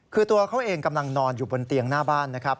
คือตัวเขาเองกำลังนอนอยู่บนเตียงหน้าบ้านนะครับ